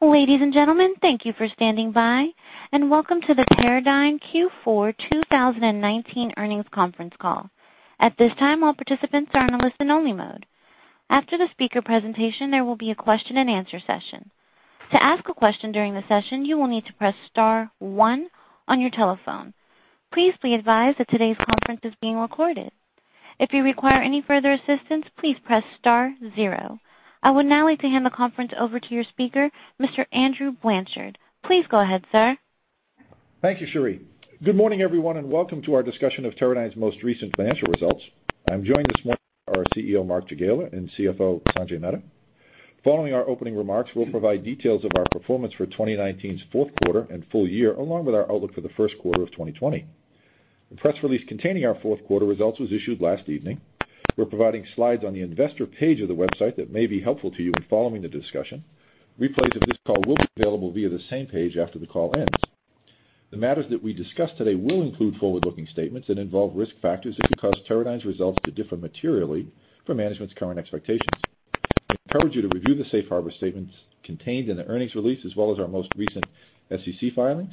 Ladies and gentlemen, thank you for standing by, and welcome to the Teradyne Q4 2019 Earnings Conference Call. At this time, all participants are in listen-only mode. After the speaker presentation, there will be a question and answer session. To ask a question during the session, you will need to press star one on your telephone. Please be advised that today's conference is being recorded. If you require any further assistance, please press star zero. I would now like to hand the conference over to your speaker, Mr. Andrew Blanchard. Please go ahead, sir. Thank you, Sherry. Good morning, everyone, and welcome to our discussion of Teradyne's Most Recent Financial Results. I'm joined this morning by our CEO, Mark Jagiela, and CFO, Sanjay Mehta. Following our opening remarks, we'll provide details of our performance for 2019's fourth quarter and full-year, along with our outlook for the first quarter of 2020. The press release containing our fourth quarter results was issued last evening. We're providing slides on the investor page of the website that may be helpful to you in following the discussion. Replays of this call will be available via the same page after the call ends. The matters that we discuss today will include forward-looking statements that involve risk factors that could cause Teradyne's results to differ materially from management's current expectations. I encourage you to review the safe harbor statements contained in the earnings release, as well as our most recent SEC filings.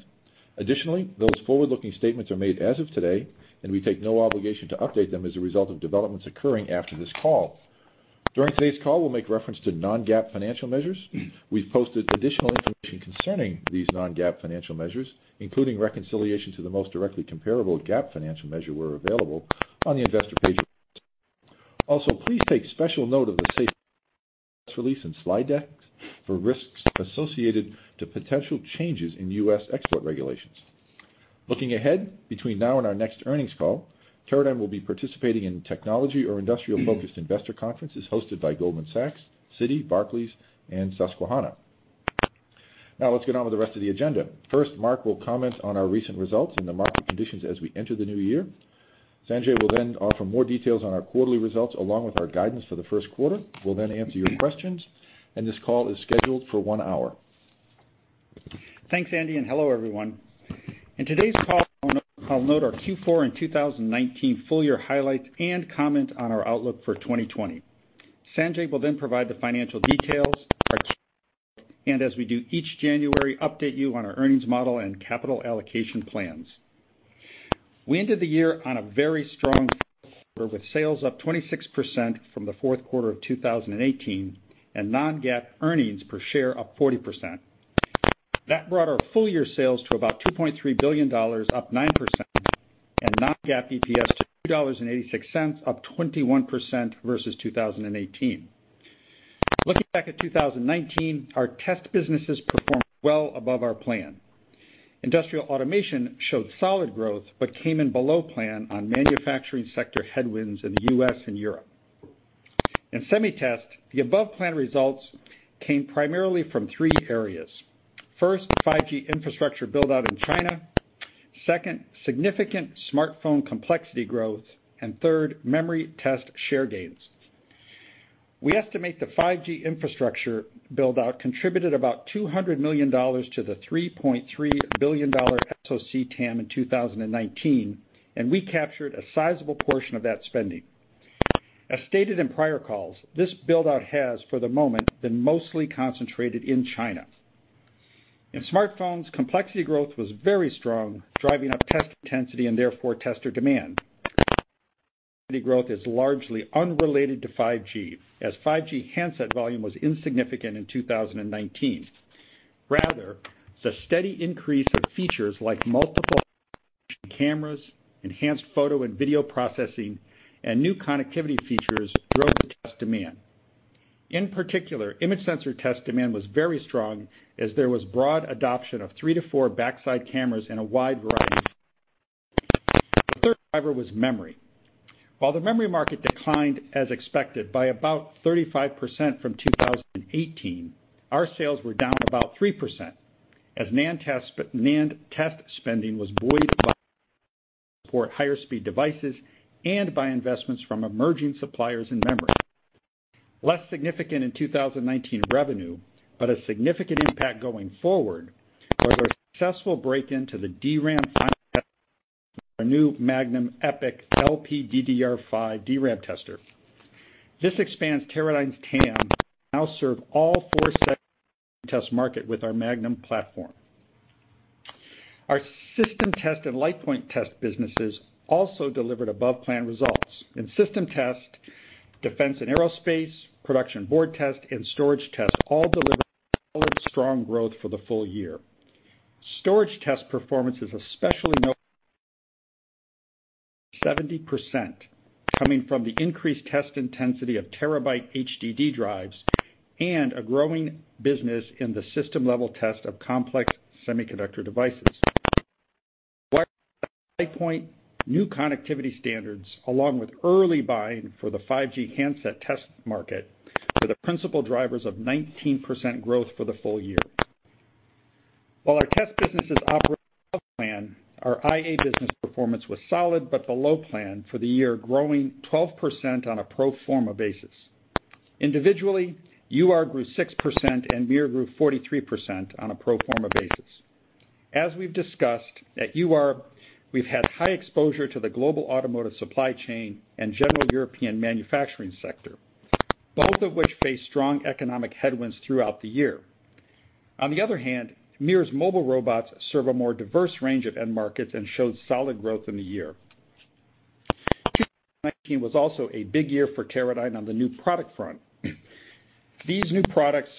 Those forward-looking statements are made as of today, and we take no obligation to update them as a result of developments occurring after this call. During today's call, we'll make reference to non-GAAP financial measures. We've posted additional information concerning these non-GAAP financial measures, including reconciliation to the most directly comparable GAAP financial measure where available on the investor page. Please take special note of the safe release and slide decks for risks associated to potential changes in U.S. export regulations. Looking ahead, between now and our next earnings call, Teradyne will be participating in technology or industrial-focused investor conferences hosted by Goldman Sachs, Citi, Barclays, and Susquehanna. Let's get on with the rest of the agenda. First, Mark will comment on our recent results and the market conditions as we enter the new year. Sanjay will then offer more details on our quarterly results, along with our guidance for the first quarter. We'll then answer your questions, and this call is scheduled for one hour. Thanks, Andy. Hello, everyone. In today's call, I'll note our Q4 in 2019 full-year highlights and comment on our outlook for 2020. Sanjay will provide the financial details and as we do each January, update you on our earnings model and capital allocation plans. We ended the year on a very strong quarter with sales up 26% from the fourth quarter of 2018 and non-GAAP earnings per share up 40%. That brought our full-year sales to about $2.3 billion, up 9%, and non-GAAP EPS to $2.86, up 21% versus 2018. Looking back at 2019, our test businesses performed well above our plan. Industrial automation showed solid growth, came in below plan on manufacturing sector headwinds in the U.S. and Europe. In SemiTest, the above-plan results came primarily from three areas. First, 5G infrastructure build-out in China. Second, significant smartphone complexity growth. Third, memory test share gains. We estimate the 5G infrastructure build-out contributed about $200 million to the $3.3 billion SoC TAM in 2019. We captured a sizable portion of that spending. As stated in prior calls, this build-out has, for the moment, been mostly concentrated in China. In smartphones, complexity growth was very strong, driving up test intensity and therefore tester demand. growth is largely unrelated to 5G, as 5G handset volume was insignificant in 2019. Rather, the steady increase in features like multiple cameras, enhanced photo and video processing, and new connectivity features drove the test demand. In particular, image sensor test demand was very strong as there was broad adoption of three to four backside cameras in a wide variety. The third driver was memory. While the memory market declined as expected by about 35% from 2018, our sales were down about 3% as NAND test spending was buoyed by support higher speed devices and by investments from emerging suppliers in memory. Less significant in 2019 revenue, but a significant impact going forward, was our successful break into the DRAM our new Magnum EPIC LPDDR5 DRAM tester. This expands Teradyne's TAM to now serve all four segments test market with our Magnum platform. Our system test and LitePoint test businesses also delivered above-plan results. In system test, defense and aerospace, production board test, and storage test all delivered strong growth for the full-year. Storage test performance is especially notable, 70% coming from the increased test intensity of terabyte HDD drives and a growing business in the system-level test of complex semiconductor devices. LitePoint new connectivity standards, along with early buying for the 5G handset test market, were the principal drivers of 19% growth for the full-year. While our test businesses operate above plan, our IA business performance was solid but below plan for the year, growing 12% on a pro forma basis. Individually, UR grew 6% and MiR grew 43% on a pro forma basis. As we've discussed, at UR, we've had high exposure to the global automotive supply chain and general European manufacturing sector, both of which face strong economic headwinds throughout the year. MiR's mobile robots serve a more diverse range of end markets and showed solid growth in the year. 2019 was also a big year for Teradyne on the new product front. These new products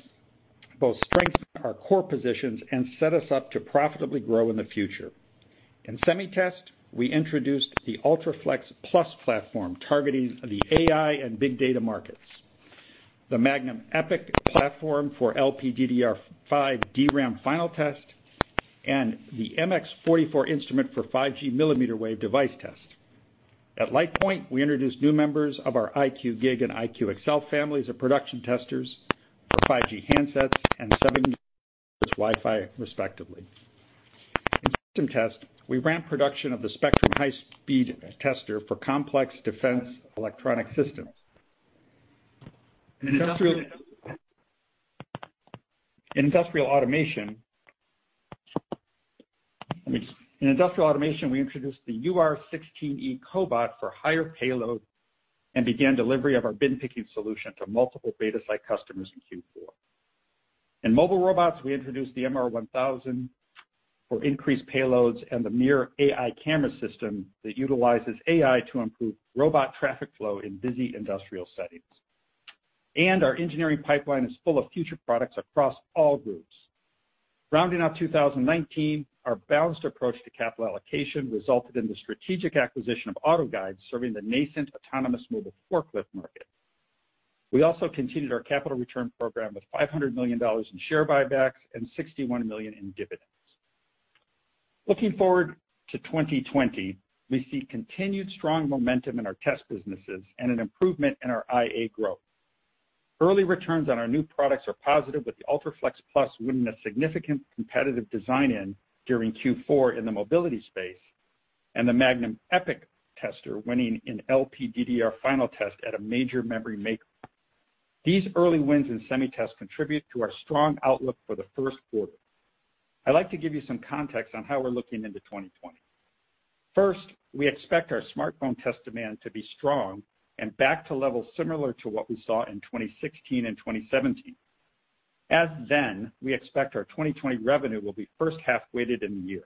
both strengthen our core positions and set us up to profitably grow in the future. In SemiTest, we introduced the UltraFLEXplus platform targeting the AI and big data markets, the Magnum EPIC platform for LPDDR5 DRAM final test, and the MX44 instrument for 5G millimeter wave device test. At LitePoint, we introduced new members of our IQgig and IQxel families of production testers for 5G handsets and 7-nanometers Wi-Fi respectively. In System Test, we ramped production of the Spectrum high-speed tester for complex defense electronic systems. In Industrial Automation, we introduced the UR16e cobot for higher payload and began delivery of our bin-picking solution to multiple beta site customers in Q4. In Mobile Robots, we introduced the MiR1000 for increased payloads and the MiR AI camera system that utilizes AI to improve robot traffic flow in busy industrial settings. Our engineering pipeline is full of future products across all groups. Rounding out 2019, our balanced approach to capital allocation resulted in the strategic acquisition of AutoGuide, serving the nascent autonomous mobile forklift market. We also continued our capital return program with $500 million in share buybacks and $61 million in dividends. Looking forward to 2020, we see continued strong momentum in our test businesses and an improvement in our IA growth. Early returns on our new products are positive, with the UltraFLEXplus winning a significant competitive design-in during Q4 in the mobility space, and the Magnum EPIC tester winning an LPDDR final test at a major memory maker. These early wins in SemiTest contribute to our strong outlook for the first quarter. I'd like to give you some context on how we're looking into 2020. First, we expect our smartphone test demand to be strong and back to levels similar to what we saw in 2016 and 2017. We expect our 2020 revenue will be first half-weighted in the year.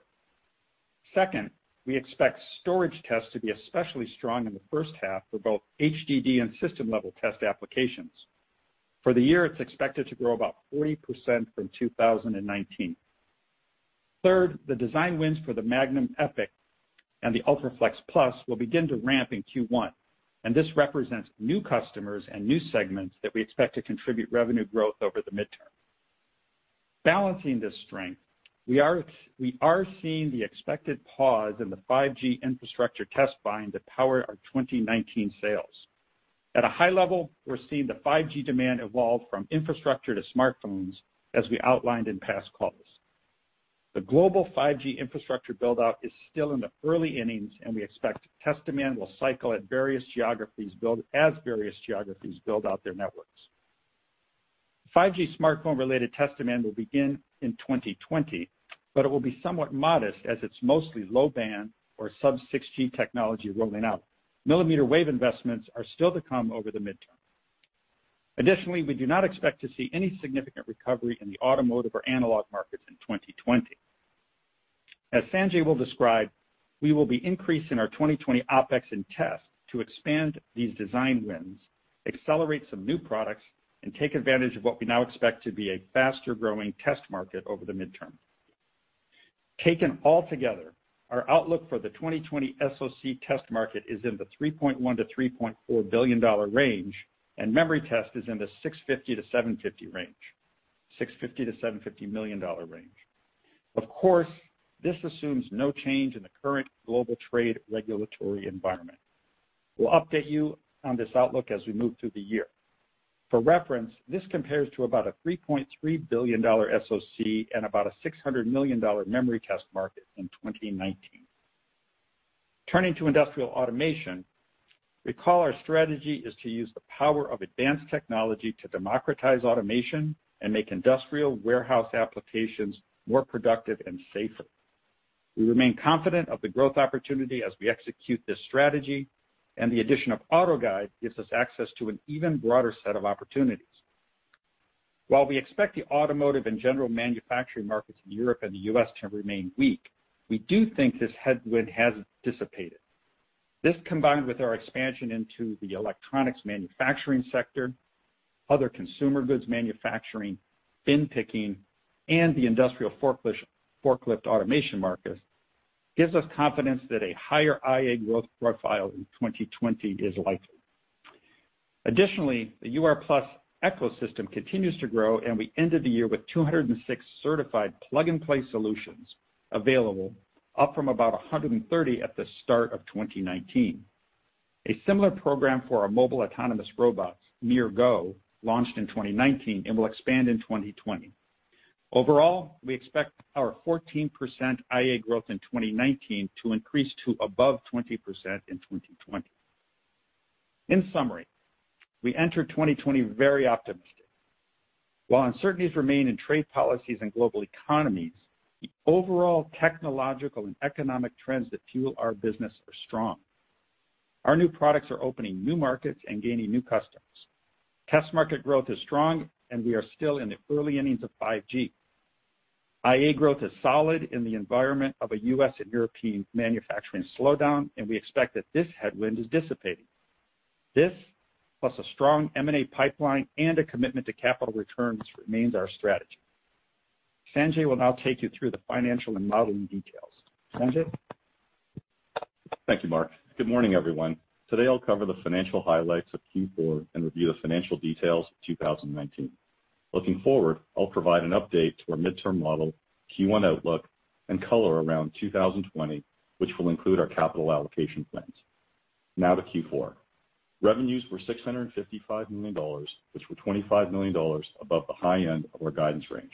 Second, we expect storage tests to be especially strong in the first half for both HDD and system-level test applications. For the year, it's expected to grow about 40% from 2019. Third, the design wins for the Magnum EPIC and the UltraFLEXplus will begin to ramp in Q1. This represents new customers and new segments that we expect to contribute revenue growth over the mid-term. Balancing this strength, we are seeing the expected pause in the 5G infrastructure test buying that powered our 2019 sales. At a high level, we're seeing the 5G demand evolve from infrastructure to smartphones, as we outlined in past calls. The global 5G infrastructure build-out is still in the early innings. We expect test demand will cycle as various geographies build out their networks. 5G smartphone-related test demand will begin in 2020, but it will be somewhat modest as it's mostly low-band or sub-6 GHz technology rolling out. Millimeter wave investments are still to come over the mid-term. Additionally, we do not expect to see any significant recovery in the automotive or analog markets in 2020. As Sanjay will describe, we will be increasing our 2020 OpEx in tests to expand these design wins, accelerate some new products, and take advantage of what we now expect to be a faster-growing test market over the mid-term. Taken all together, our outlook for the 2020 SoC test market is in the $3.1 billion-$3.4 billion range, and memory test is in the $650 million-$750 million range. Of course, this assumes no change in the current global trade regulatory environment. We'll update you on this outlook as we move through the year. For reference, this compares to about a $3.3 billion SoC and about a $600 million memory test market in 2019. Turning to Industrial Automation, recall our strategy is to use the power of advanced technology to democratize automation and make industrial warehouse applications more productive and safer. We remain confident of the growth opportunity as we execute this strategy, and the addition of AutoGuide gives us access to an even broader set of opportunities. While we expect the automotive and general manufacturing markets in Europe and the U.S. to remain weak, we do think this headwind has dissipated. This, combined with our expansion into the electronics manufacturing sector, other consumer goods manufacturing, bin picking, and the industrial forklift automation market, gives us confidence that a higher IA growth profile in 2020 is likely. The UR+ ecosystem continues to grow, and we ended the year with 206 certified plug-and-play solutions available, up from about 130 at the start of 2019. A similar program for our mobile autonomous robots, MiRGo, launched in 2019 and will expand in 2020. We expect our 14% IA growth in 2019 to increase to above 20% in 2020. We enter 2020 very optimistic. Uncertainties remain in trade policies and global economies, the overall technological and economic trends that fuel our business are strong. Our new products are opening new markets and gaining new customers. Test market growth is strong, and we are still in the early innings of 5G. IA growth is solid in the environment of a U.S. and European manufacturing slowdown, and we expect that this headwind is dissipating. This, plus a strong M&A pipeline and a commitment to capital returns remains our strategy. Sanjay will now take you through the financial and modeling details. Sanjay? Thank you, Mark. Good morning, everyone. Today, I'll cover the financial highlights of Q4 and review the financial details of 2019. Looking forward, I'll provide an update to our mid-term model, Q1 outlook, and color around 2020, which will include our capital allocation plans. Now to Q4. Revenues were $655 million, which were $25 million above the high-end of our guidance range.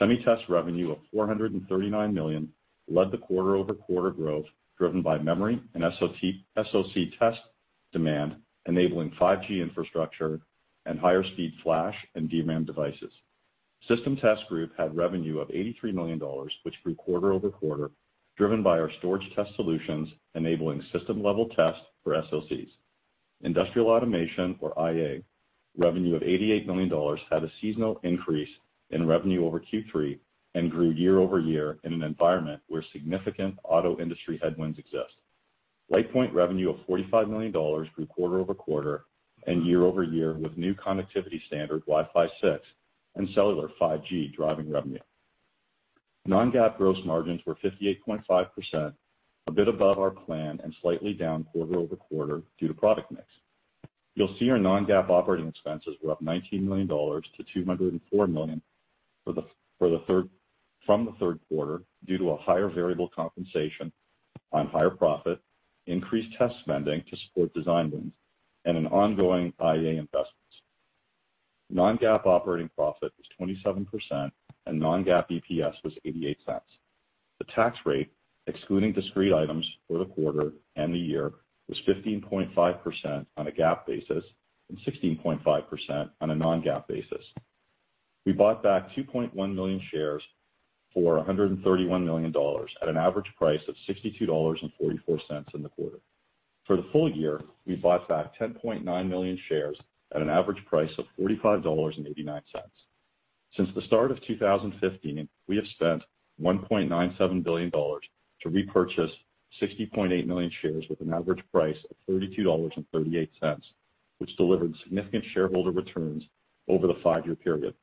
SemiTest revenue of $439 million led the quarter-over-quarter growth, driven by memory and SoC test demand, enabling 5G infrastructure and higher speed flash and DRAM devices. System Test Group had revenue of $83 million, which grew quarter-over-quarter, driven by our storage test solutions enabling system-level test for SoCs. Industrial automation, or IA, revenue of $88 million had a seasonal increase in revenue over Q3 and grew year-over-year in an environment where significant auto industry headwinds exist. LitePoint revenue of $45 million grew quarter-over-quarter and year-over-year with new connectivity standard Wi-Fi 6 and cellular 5G driving revenue. Non-GAAP gross margins were 58.5%, a bit above our plan and slightly down quarter-over-quarter due to product mix. You'll see our non-GAAP operating expenses were up $19 million to $204 million from the third quarter due to a higher variable compensation on higher profit, increased test spending to support design wins, and an ongoing IA investments. Non-GAAP operating profit was 27%, and non-GAAP EPS was $0.88. The tax rate, excluding discrete items for the quarter and the year, was 15.5% on a GAAP basis and 16.5% on a non-GAAP basis. We bought back 2.1 million shares for $131 million at an average price of $62.44 in the quarter. For the full-year, we bought back 10.9 million shares at an average price of $45.89. Since the start of 2015, we have spent $1.97 billion to repurchase 60.8 million shares with an average price of $32.38, which delivered significant shareholder returns over the five-year period.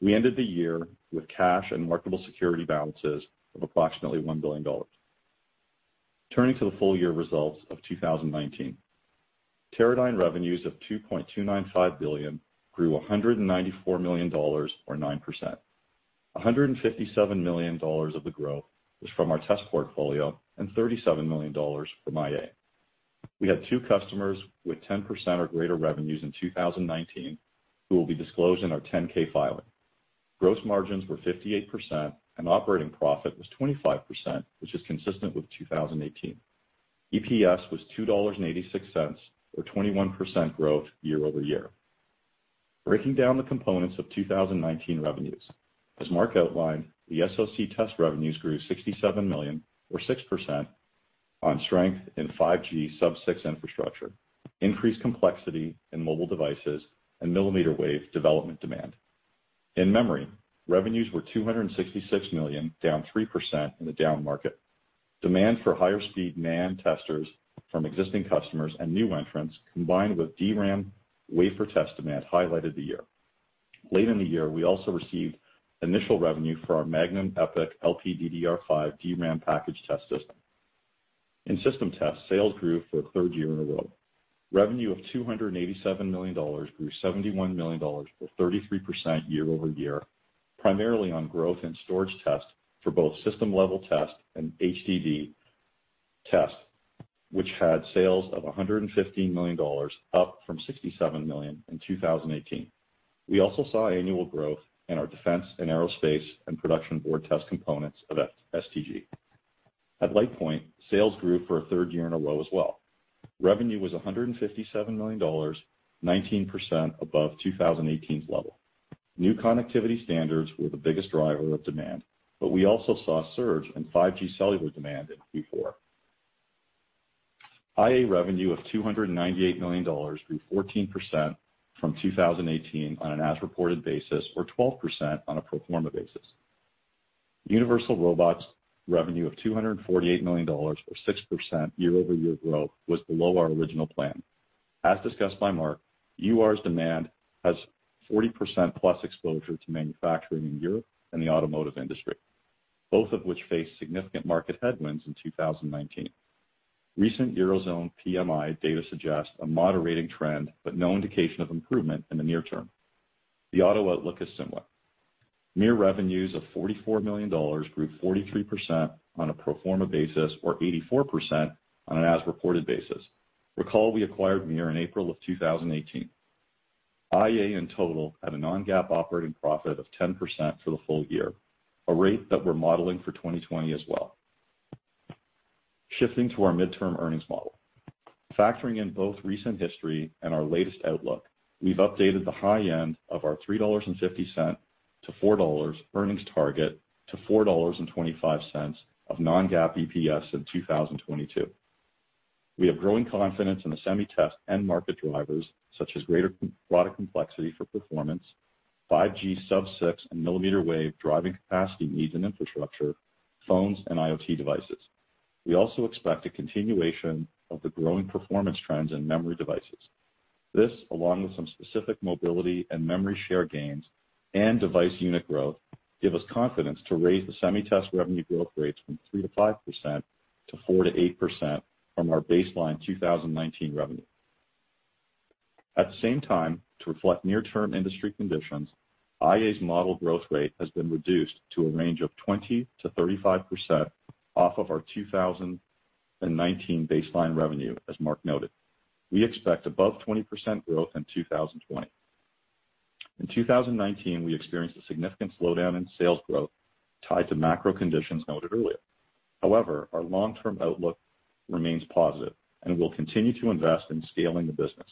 We ended the year with cash and marketable security balances of approximately $1 billion. Turning to the full-year results of 2019. Teradyne revenues of $2.295 billion grew $194 million or 9%. $157 million of the growth was from our test portfolio and $37 million from IA. We had two customers with 10% or greater revenues in 2019 who will be disclosed in our 10-K filing. Gross margins were 58%, and operating profit was 25%, which is consistent with 2018. EPS was $2.86, or 21% growth year-over-year. Breaking down the components of 2019 revenues. As Mark outlined, the SoC test revenues grew $67 million or 6% on strength in 5G sub-6 infrastructure, increased complexity in mobile devices, and millimeter wave development demand. In memory, revenues were $266 million, down 3% in a down market. Demand for higher speed NAND testers from existing customers and new entrants, combined with DRAM wafer test demand highlighted the year. Late in the year, we also received initial revenue for our Magnum EPIC LPDDR5 DRAM package test system. In system tests, sales grew for a third year in a row. Revenue of $287 million grew $71 million or 33% year-over-year, primarily on growth in storage tests for both system level test and HDD test, which had sales of $115 million, up from $67 million in 2018. We also saw annual growth in our defense and aerospace and production board test components of STG. At LitePoint, sales grew for a third year in a row as well. Revenue was $157 million, 19% above 2018's level. New connectivity standards were the biggest driver of demand, but we also saw a surge in 5G cellular demand in Q4. IA revenue of $298 million grew 14% from 2018 on an as-reported basis or 12% on a pro forma basis. Universal Robots' revenue of $248 million or 6% year-over-year growth was below our original plan. As discussed by Mark, UR's demand has 40%+ exposure to manufacturing in Europe and the automotive industry, both of which face significant market headwinds in 2019. Recent Eurozone PMI data suggests a moderating trend, but no indication of improvement in the near-term. The auto outlook is similar. MiR revenues of $44 million grew 43% on a pro forma basis or 84% on an as-reported basis. Recall we acquired MiR in April of 2018. IA in total had a non-GAAP operating profit of 10% for the full-year, a rate that we're modeling for 2020 as well. Shifting to our midterm earnings model. Factoring in both recent history and our latest outlook, we've updated the high-end of our $3.50 to $4 earnings target to $4.25 of non-GAAP EPS in 2022. We have growing confidence in the SemiTest end market drivers such as greater product complexity for performance, 5G sub-6 and millimeter wave driving capacity needs and infrastructure, phones and IoT devices. We also expect a continuation of the growing performance trends in memory devices. This, along with some specific mobility and memory share gains and device unit growth, give us confidence to raise the SemiTest revenue growth rates from 3%-5%, to 4%-8% from our baseline 2019 revenue. At the same time, to reflect near-term industry conditions, IA's model growth rate has been reduced to a range of 20%-35% off of our 2019 baseline revenue, as Mark noted. We expect above 20% growth in 2020. In 2019, we experienced a significant slowdown in sales growth tied to macro conditions noted earlier. However, our long-term outlook remains positive, and we'll continue to invest in scaling the business,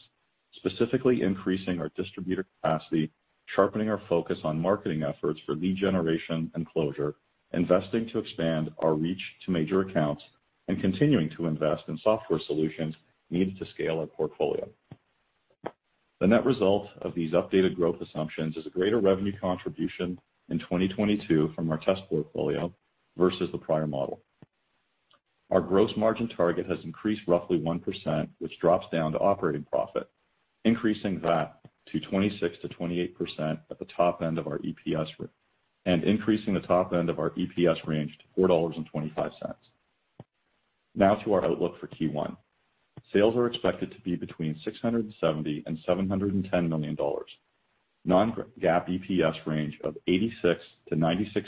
specifically increasing our distributor capacity, sharpening our focus on marketing efforts for lead generation and closure, investing to expand our reach to major accounts, and continuing to invest in software solutions needed to scale our portfolio. The net result of these updated growth assumptions is a greater revenue contribution in 2022 from our test portfolio versus the prior model. Our gross margin target has increased roughly 1%, which drops down to operating profit, increasing that to 26%-28% at the top-end of our EPS, and increasing the top-end of our EPS range to $4.25. To our outlook for Q1. Sales are expected to be between $670 and $710 million. non-GAAP EPS range of $0.86-$0.96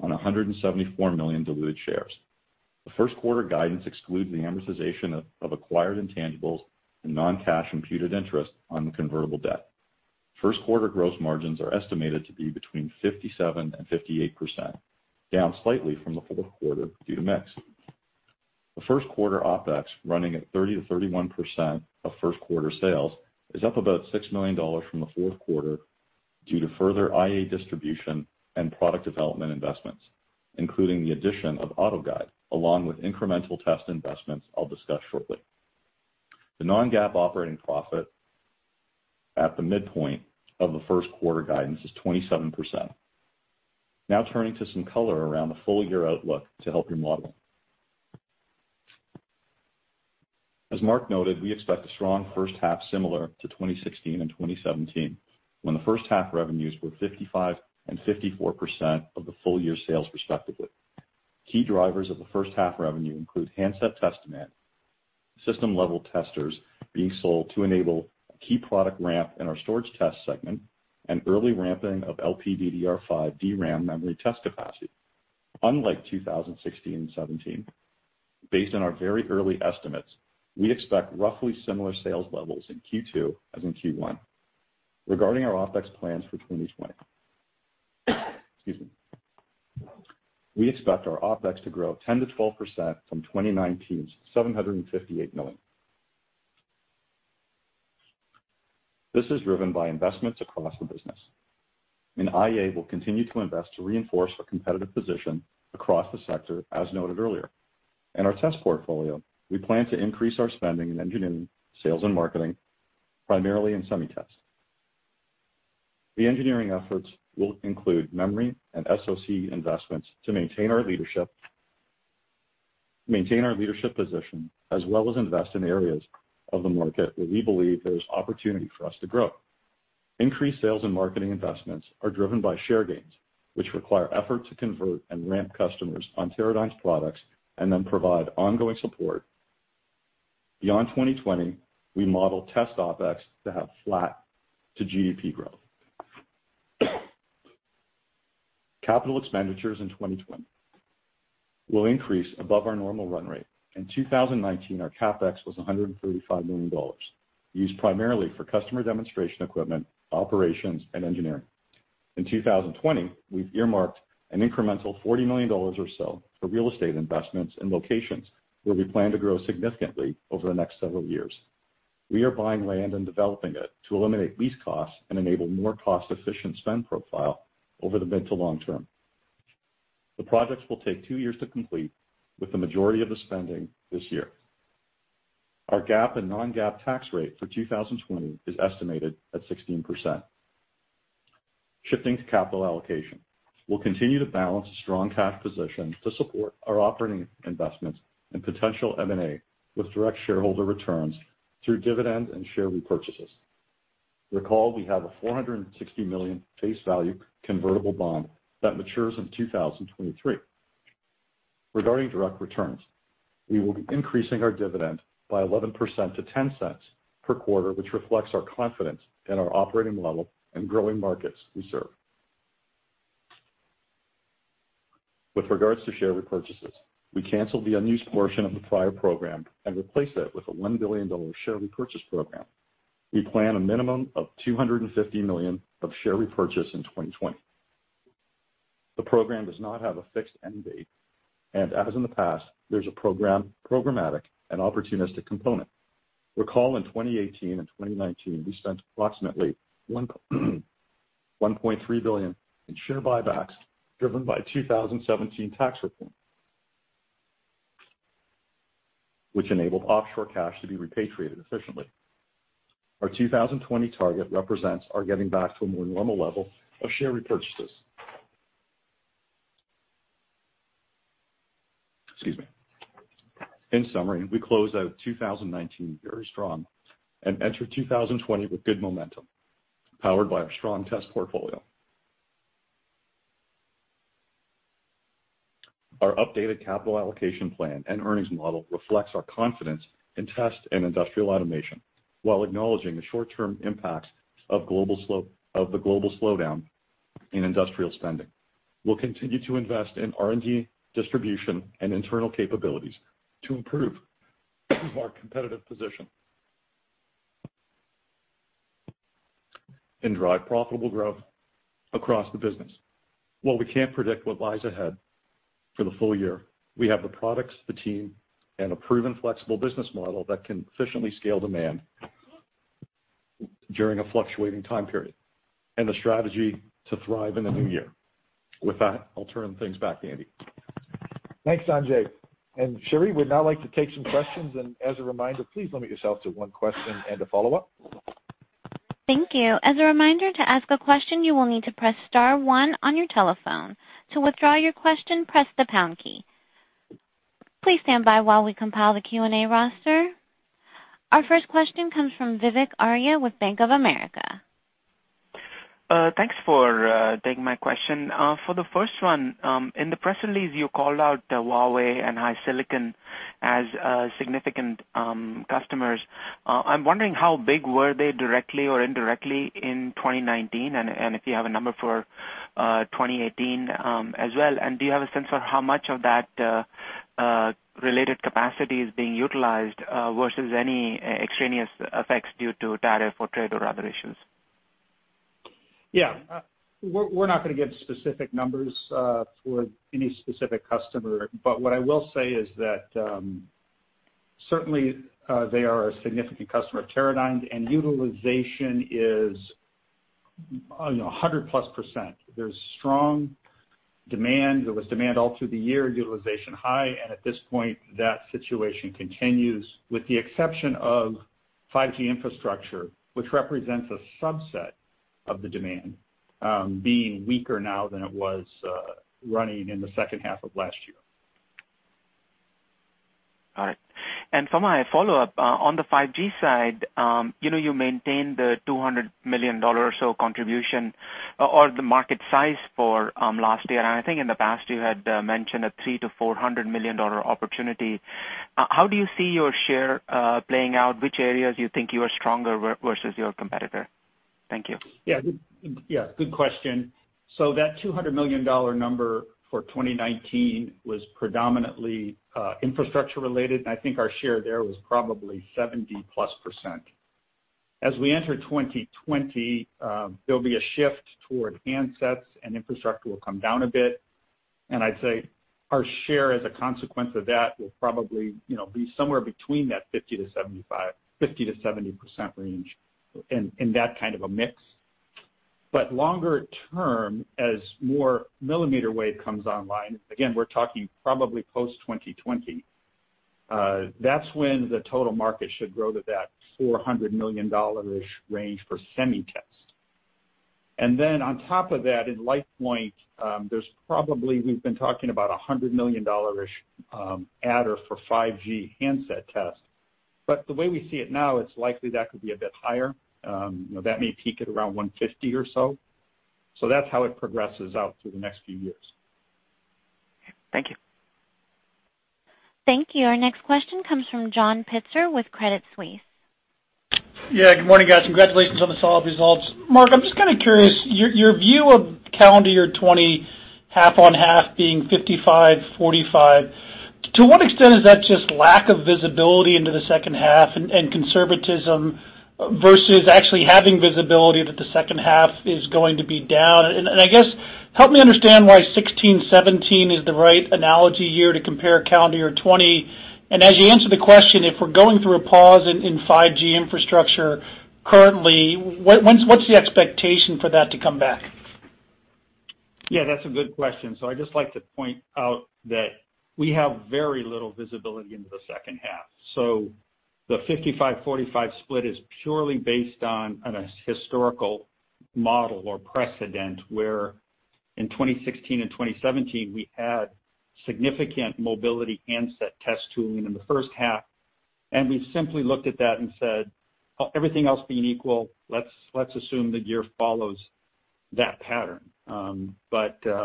on 174 million diluted shares. The first quarter guidance excludes the amortization of acquired intangibles and non-cash imputed interest on the convertible debt. First quarter gross margins are estimated to be between 57% and 58%, down slightly from the fourth quarter due to mix. The first quarter OpEx, running at 30%-31% of first quarter sales, is up about $6 million from the fourth quarter due to further IA distribution and product development investments, including the addition of AutoGuide, along with incremental test investments I'll discuss shortly. The non-GAAP operating profit at the midpoint of the first quarter guidance is 27%. Turning to some color around the full-year outlook to help you model. As Mark noted, we expect a strong first half similar to 2016 and 2017, when the first half revenues were 55% and 54% of the full-year sales respectively. Key drivers of the first half revenue include handset test demand, system-level testers being sold to enable a key product ramp in our storage test segment, and early ramping of LPDDR5 DRAM memory test capacity. Unlike 2016 and 2017, based on our very early estimates, we expect roughly similar sales levels in Q2 as in Q1. Regarding our OpEx plans for 2020. Excuse me. We expect our OpEx to grow 10%-12% from 2019's $758 million. This is driven by investments across the business. In IA, we'll continue to invest to reinforce a competitive position across the sector, as noted earlier. In our test portfolio, we plan to increase our spending in engineering, sales, and marketing, primarily in SemiTest. The engineering efforts will include memory and SoC investments to maintain our leadership position, as well as invest in areas of the market where we believe there is opportunity for us to grow. Increased sales and marketing investments are driven by share gains, which require effort to convert and ramp customers on Teradyne's products and then provide ongoing support. Beyond 2020, we model test OpEx to have flat to GDP growth. Capital expenditures in 2020 will increase above our normal run-rate. In 2019, our CapEx was $135 million. Used primarily for customer demonstration equipment, operations, and engineering. In 2020, we've earmarked an incremental $40 million or so for real estate investments in locations where we plan to grow significantly over the next several years. We are buying land and developing it to eliminate lease costs and enable more cost-efficient spend profile over the mid-to long-term. The projects will take two years to complete, with the majority of the spending this year. Our GAAP and non-GAAP tax rate for 2020 is estimated at 16%. Shifting to capital allocation. We'll continue to balance a strong cash position to support our operating investments and potential M&A with direct shareholder returns through dividends and share repurchases. Recall we have a $460 million face value convertible bond that matures in 2023. Regarding direct returns, we will be increasing our dividend by 11% to $0.10 per quarter, which reflects our confidence in our operating level and growing markets we serve. With regards to share repurchases, we canceled the unused portion of the prior program and replaced it with a $1 billion share repurchase program. We plan a minimum of $250 million of share repurchase in 2020. The program does not have a fixed end date, and as in the past, there's a programmatic and opportunistic component. Recall in 2018 and 2019, we spent approximately $1.3 billion in share buybacks, driven by 2017 tax reform, which enabled offshore cash to be repatriated efficiently. Our 2020 target represents our getting back to a more normal level of share repurchases. Excuse me. In summary, we closed out 2019 very strong and entered 2020 with good momentum, powered by our strong test portfolio. Our updated capital allocation plan and earnings model reflects our confidence in test and industrial automation, while acknowledging the short-term impacts of the global slowdown in industrial spending. We'll continue to invest in R&D, distribution, and internal capabilities to improve our competitive position and drive profitable growth across the business. While we can't predict what lies ahead for the full-year, we have the products, the team, and a proven flexible business model that can efficiently scale demand during a fluctuating time period, and the strategy to thrive in the new year. With that, I'll turn things back to Andy. Thanks, Sanjay. Sherry, we'd now like to take some questions, and as a reminder, please limit yourself to one question and a follow-up. Thank you. As a reminder, to ask a question, you will need to press star one on your telephone. To withdraw your question, press the pound key. Please stand by while we compile the Q&A roster. Our first question comes from Vivek Arya with Bank of America. Thanks for taking my question. For the first one, in the press release you called out Huawei and HiSilicon as significant customers. I'm wondering how big were they directly or indirectly in 2019, and if you have a number for 2018 as well. Do you have a sense for how much of that related capacity is being utilized versus any extraneous effects due to tariff or trade or other issues? Yeah. We're not going to give specific numbers for any specific customer. What I will say is that certainly they are a significant customer of Teradyne's, and utilization is 100+%. There's strong demand. There was demand all through the year, utilization high, and at this point, that situation continues, with the exception of 5G infrastructure, which represents a subset of the demand being weaker now than it was running in the second half of last year. All right. For my follow-up, on the 5G side, you maintained the $200 million or so contribution or the market size for last year. I think in the past you had mentioned a $300 million-$400 million opportunity. How do you see your share playing out? Which areas do you think you are stronger versus your competitor? Thank you. Yeah. Good question. That $200 million number for 2019 was predominantly infrastructure-related, and I think our share there was probably 70+%. As we enter 2020, there'll be a shift toward handsets and infrastructure will come down a bit. I'd say our share as a consequence of that will probably be somewhere between that 50%-70% range in that kind of a mix. Longer-term, as more millimeter wave comes online, again, we're talking probably post-2020, that's when the total market should grow to that $400 million-ish range for SemiTest. On top of that, in LitePoint, there's probably, we've been talking about $100 million-ish adder for 5G handset test. The way we see it now, it's likely that could be a bit higher. That may peak at around $150 or so. That's how it progresses out through the next few years. Thank you. Thank you. Our next question comes from John Pitzer with Credit Suisse. Yeah, good morning, guys. Congratulations on the solid results. Mark, I'm just kind of curious, your view of calendar year 2020, half on half being 55/45, to what extent is that just lack of visibility into the second half and conservatism versus actually having visibility that the second half is going to be down? I guess, help me understand why 2016/2017 is the right analogy here to compare calendar year 2020. As you answer the question, if we're going through a pause in 5G infrastructure currently, what's the expectation for that to come back? Yeah, that's a good question. I'd just like to point out that we have very little visibility into the second half. The 55/45 split is purely based on a historical model or precedent where in 2016 and 2017, we had significant mobility handset test tooling in the first half, and we simply looked at that and said, "Everything else being equal, let's assume the year follows that pattern."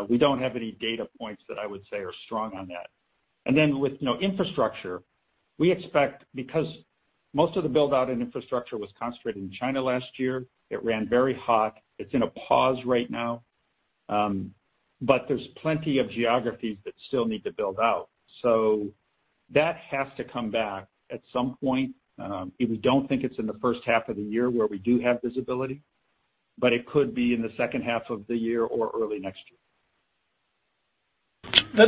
We don't have any data points that I would say are strong on that. With infrastructure, we expect because most of the build-out in infrastructure was concentrated in China last year, it ran very hot. It's in a pause right now. There's plenty of geographies that still need to build out. That has to come back at some point. We don't think it's in the first half of the year where we do have visibility, but it could be in the second half of the year or early next year.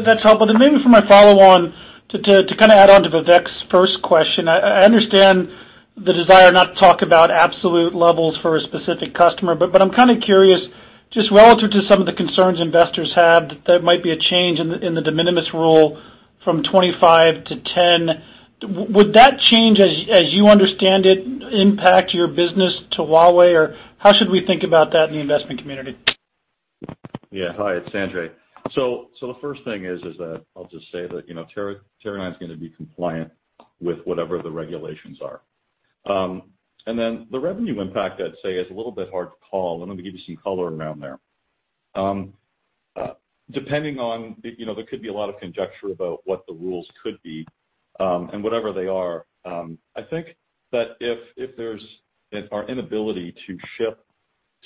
That's helpful. Maybe for my follow-on, to add on to Vivek's first question, I understand the desire not to talk about absolute levels for a specific customer, but I'm kind of curious, just relative to some of the concerns investors have, that there might be a change in the de minimis rule from 25 to 10. Would that change, as you understand it, impact your business to Huawei? How should we think about that in the investment community? Yeah. Hi, it's Sanjay. The first thing is that I'll just say that Teradyne's going to be compliant with whatever the regulations are. The revenue impact, I'd say, is a little bit hard to call. Let me give you some color around there. There could be a lot of conjecture about what the rules could be. Whatever they are, I think that if there's our inability to ship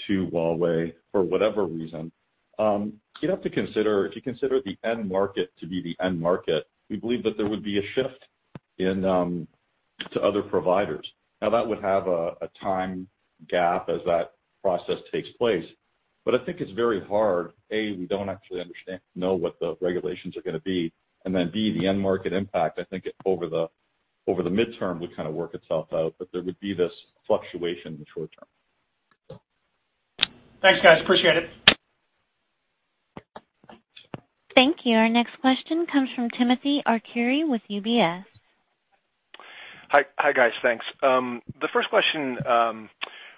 to Huawei for whatever reason, you'd have to consider, if you consider the end market to be the end market, we believe that there would be a shift to other providers. Now, that would have a time gap as that process takes place, but I think it's very hard. A, we don't actually know what the regulations are going to be. B, the end market impact, I think over the midterm would kind of work itself out. There would be this fluctuation in the short-term. Thanks, guys. Appreciate it. Thank you. Our next question comes from Timothy Arcuri with UBS. Hi, guys. Thanks. The first question,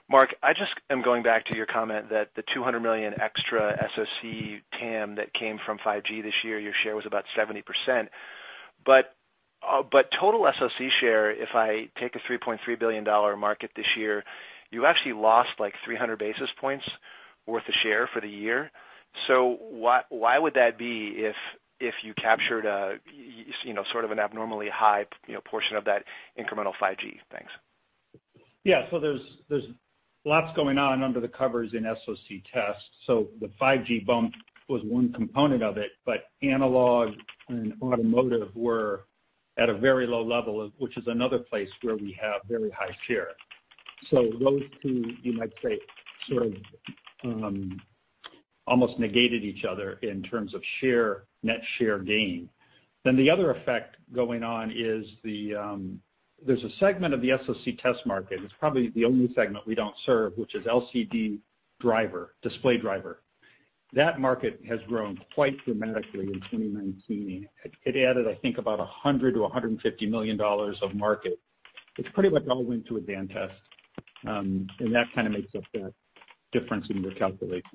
Mark, I just am going back to your comment that the $200 million extra SoC TAM that came from 5G this year, your share was about 70%. Total SoC share, if I take a $3.3 billion market this year, you actually lost like 300 basis points worth of share for the year. Why would that be if you captured sort of an abnormally high portion of that incremental 5G? Thanks. Yeah. There's lots going on under the covers in SoC test. The 5G bump was one component of it, but analog and automotive were at a very low level, which is another place where we have very high share. Those two, you might say, sort of almost negated each other in terms of net share gain. The other effect going on is there's a segment of the SoC test market, it's probably the only segment we don't serve, which is LCD display driver. That market has grown quite dramatically in 2019. It added, I think, about $100 million-$150 million of market, which pretty much all went to Advantest, and that kind of makes up the difference in your calculation.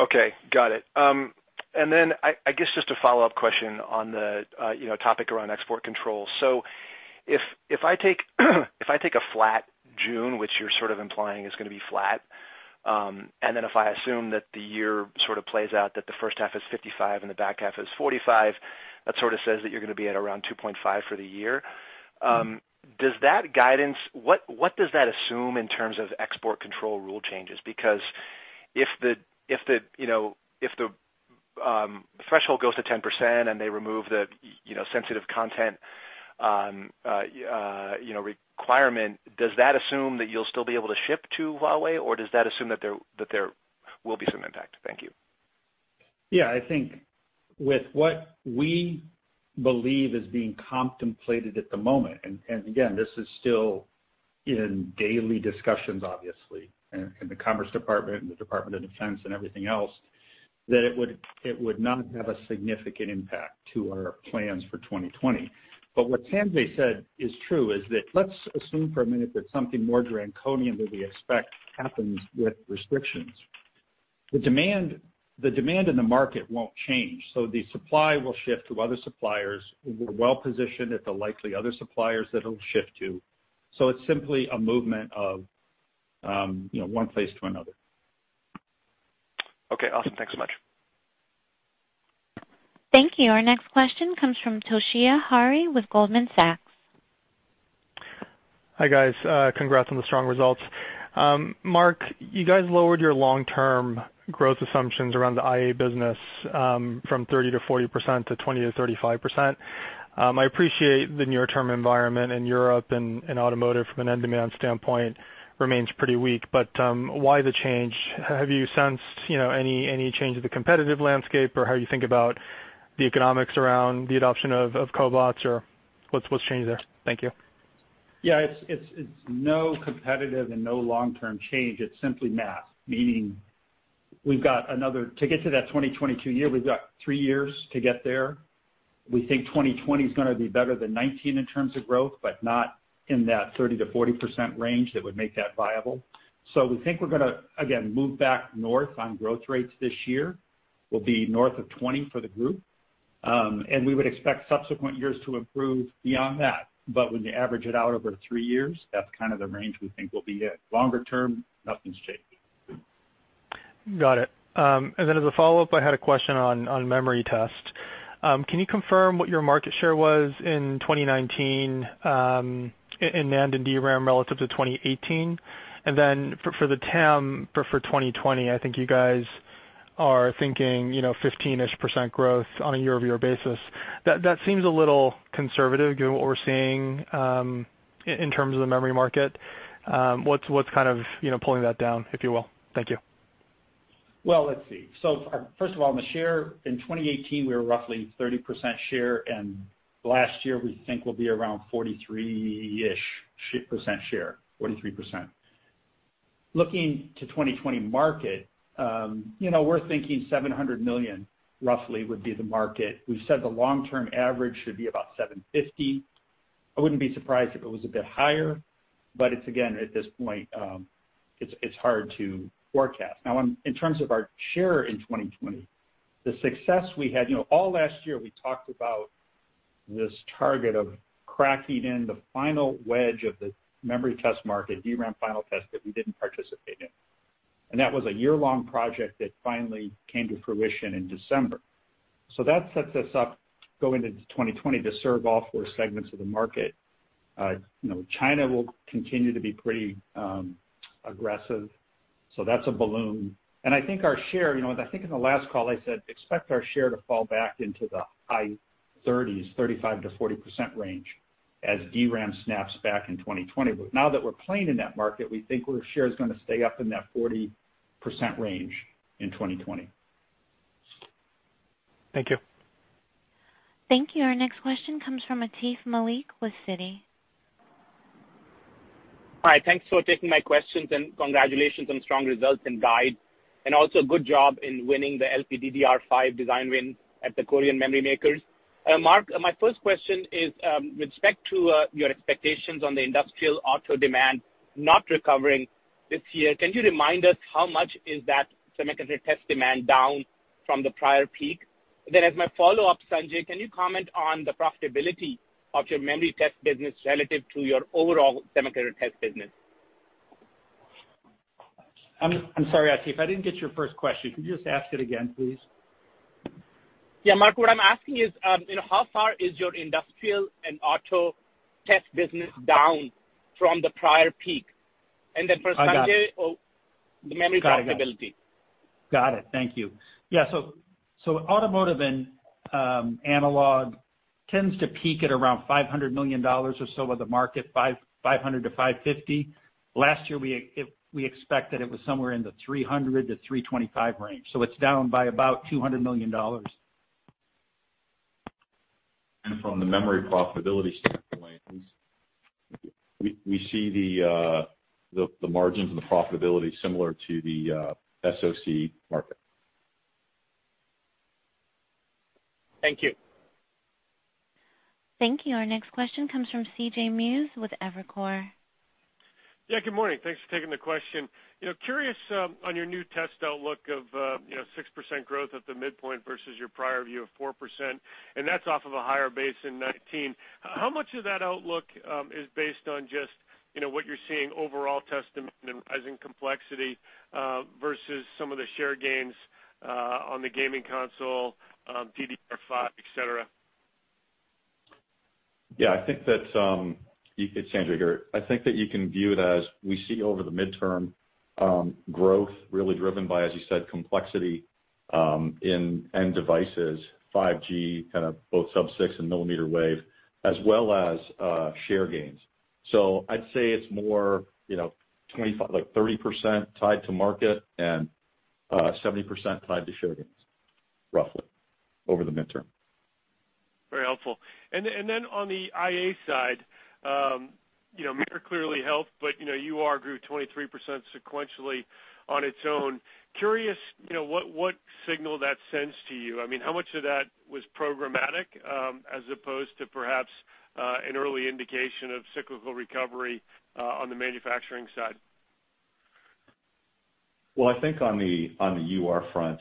Okay, got it. I guess just a follow-up question on the topic around export control. If I take a flat June, which you're sort of implying is going to be flat, if I assume that the year sort of plays out that the first half is 55% and the back half is 45%, that sort of says that you're going to be at around $2.5 for the year. What does that assume in terms of export control rule changes? If the threshold goes to 10% and they remove the sensitive content requirement, does that assume that you'll still be able to ship to Huawei, or does that assume that there will be some impact? Thank you. Yeah, I think with what we believe is being contemplated at the moment, again, this is still in daily discussions, obviously, in the Commerce Department and the Department of Defense and everything else, that it would not have a significant impact to our plans for 2020. What Sanjay said is true, is that let's assume for a minute that something more draconian than we expect happens with restrictions. The demand in the market won't change, the supply will shift to other suppliers. We're well-positioned at the likely other suppliers that it'll shift to. It's simply a movement of one place to another. Okay, awesome. Thanks so much. Thank you. Our next question comes from Toshiya Hari with Goldman Sachs. Hi, guys. Congrats on the strong results. Mark, you guys lowered your long-term growth assumptions around the IA business from 30%-40% to 20%-35%. I appreciate the near-term environment in Europe, and automotive from an end demand standpoint remains pretty weak. Why the change? Have you sensed any change in the competitive landscape or how you think about the economics around the adoption of Cobots? What's changed there? Thank you. Yeah, it's no competitive and no long-term change. It's simply math, meaning to get to that 2022 year, we've got three years to get there. We think 2020's going to be better than 2019 in terms of growth, but not in that 30%-40% range that would make that viable. We think we're going to, again, move back north on growth rates this year. We'll be north of 20 for the group. We would expect subsequent years to improve beyond that. When you average it out over three years, that's kind of the range we think we'll be in. Longer-term, nothing's changed. Got it. As a follow-up, I had a question on memory test. Can you confirm what your market share was in 2019 in NAND and DRAM relative to 2018? For the TAM for 2020, I think you guys are thinking 15-ish% growth on a year-over-year basis. That seems a little conservative given what we're seeing in terms of the memory market. What's pulling that down, if you will? Thank you. Well, let's see. First of all, in the share, in 2018, we were roughly 30% share, and last year we think we'll be around 43-ish% share, 43%. Looking to 2020 market, we're thinking $700 million roughly would be the market. We've said the long-term average should be about $750 million. I wouldn't be surprised if it was a bit higher, it's, again, at this point, it's hard to forecast. In terms of our share in 2020, the success we had, all last year we talked about this target of cracking in the final wedge of the memory test market, DRAM final test that we didn't participate in. That was a year-long project that finally came to fruition in December. That sets us up going into 2020 to serve all four segments of the market. China will continue to be pretty aggressive, that's a [balloon]. I think our share, I think in the last call I said, expect our share to fall back into the high-30s, 35%-40% range as DRAM snaps back in 2020. Now that we're playing in that market, we think our share is going to stay up in that 40% range in 2020. Thank you. Thank you. Our next question comes from Atif Malik with Citi. Hi, thanks for taking my questions and congratulations on strong results and guide, and also good job in winning the LPDDR5 design win at the Korean Memory Makers. Mark, my first question is, with respect to your expectations on the industrial auto demand not recovering this year, can you remind us how much is that semiconductor test demand down from the prior peak? As my follow-up, Sanjay, can you comment on the profitability of your memory test business relative to your overall semiconductor test business? I'm sorry, Atif, I didn't get your first question. Could you just ask it again, please? Yeah, Mark, what I'm asking is, how far is your industrial and auto test business down from the prior peak? Then for Sanjay. I got it. The memory profitability. Got it. Thank you. Yeah, automotive and analog tends to peak at around $500 million or so of the market, $500 million-$550 million. Last year, we expect that it was somewhere in the $300 million-$325 million range, it's down by about $200 million. From the memory profitability standpoint, we see the margins and the profitability similar to the SoC market. Thank you. Thank you. Our next question comes from CJ Muse with Evercore. Yeah, good morning. Thanks for taking the question. Curious on your new test outlook of 6% growth at the midpoint versus your prior view of 4%, and that's off of a higher base in 2019. How much of that outlook is based on just what you're seeing overall test and rising complexity versus some of the share gains on the gaming console, DDR5, et cetera? Yeah, it's Sanjay here. I think that you can view it as we see over the mid-term growth really driven by, as you said, complexity in end devices, 5G, kind of both sub-6 and millimeter wave, as well as share gains. I'd say it's more like 30% tied to market and 70% tied to share gains, roughly, over the mid-term. Very helpful. On the IA side, MiR clearly helped, but UR grew 23% sequentially on its own. Curious what signal that sends to you? How much of that was programmatic as opposed to perhaps an early indication of cyclical recovery on the manufacturing side? I think on the UR front,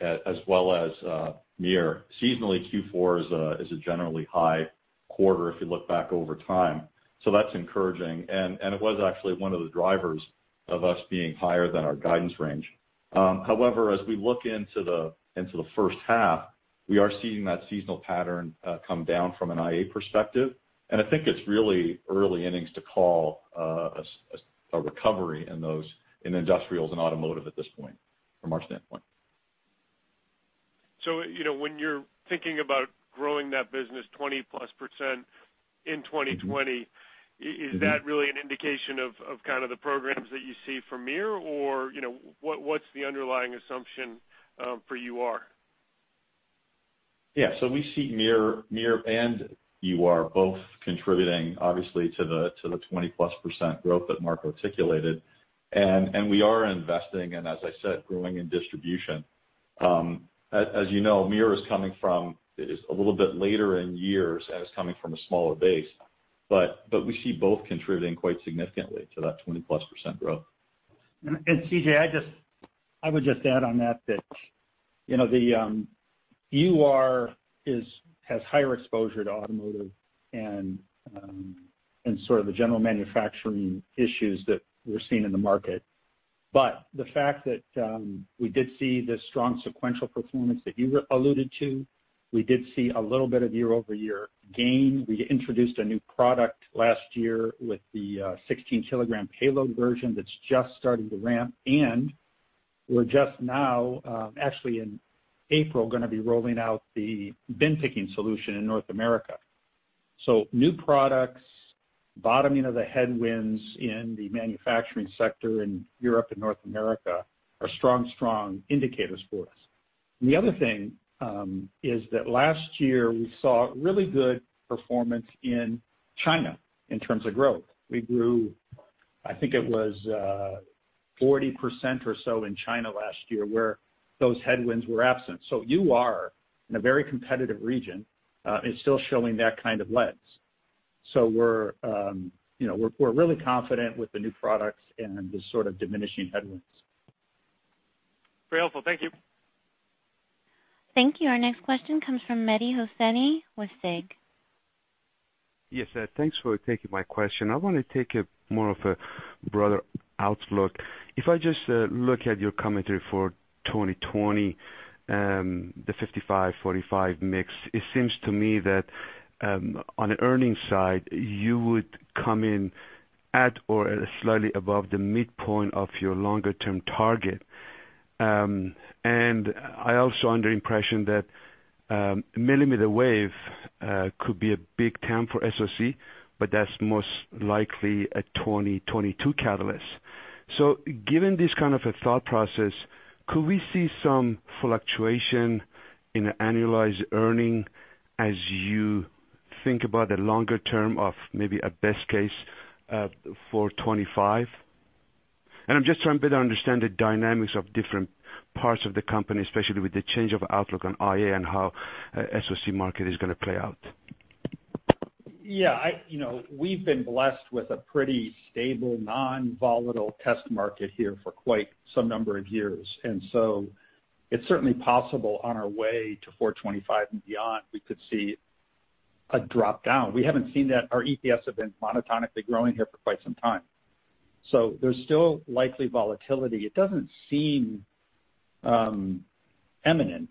as well as MiR, seasonally, Q4 is a generally high quarter if you look back over time. That's encouraging, and it was actually one of the drivers of us being higher than our guidance range. However, as we look into the first half, we are seeing that seasonal pattern come down from an IA perspective, and I think it's really early innings to call a recovery in those, in industrials and automotive at this point, from our standpoint. When you're thinking about growing that business 20+% in 2020, is that really an indication of the programs that you see for MiR, or what's the underlying assumption for UR? We see MiR and UR both contributing obviously to the 20+% growth that Mark articulated. We are investing and, as I said, growing in distribution. As you know, MiR is a little bit later in years and is coming from a smaller base, we see both contributing quite significantly to that 20+% growth. CJ, I would just add on that UR has higher exposure to automotive and sort of the general manufacturing issues that we're seeing in the market. The fact that we did see the strong sequential performance that you alluded to, we did see a little bit of year-over-year gain. We introduced a new product last year with the 16-kg payload version that's just starting to ramp, and we're just now, actually in April, going to be rolling out the bin picking solution in North America. New products, bottoming of the headwinds in the manufacturing sector in Europe and North America are strong indicators for us. The other thing is that last year we saw really good performance in China in terms of growth. We grew, I think it was 40% or so in China last year, where those headwinds were absent. You are in a very competitive region, and still showing that kind of lens. We're really confident with the new products and the sort of diminishing headwinds. Very helpful. Thank you. Thank you. Our next question comes from Mehdi Hosseini with SIG. Yes, thanks for taking my question. I want to take more of a broader outlook. If I just look at your commentary for 2020, the 55/45 mix, it seems to me that, on the earnings side, you would come in at or slightly above the midpoint of your longer-term target. I also under impression that millimeter wave could be a big TAM for SoC, but that's most likely a 2022 catalyst. Given this kind of a thought process, could we see some fluctuation in annualized earning as you think about the longer-term of maybe a best case for 2025? I'm just trying to better understand the dynamics of different parts of the company, especially with the change of outlook on IA and how SoC market is going to play out. Yeah. We've been blessed with a pretty stable, non-volatile test market here for quite some number of years. It's certainly possible on our way to 425 and beyond, we could see a drop-down. We haven't seen that. Our EPS have been monotonically growing here for quite some time. There's still likely volatility. It doesn't seem imminent.